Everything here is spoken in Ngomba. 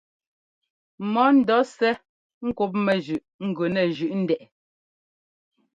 Mɔ ńdɔɔsɛ́ ŋ́kúpmɛ zʉꞌ gʉ nɛ zʉꞌ ndɛꞌ ɛ.